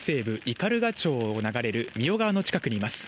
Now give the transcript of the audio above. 斑鳩町を流れる三代川の近くにいます。